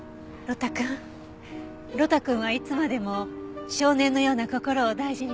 呂太くんはいつまでも少年のような心を大事にしてね。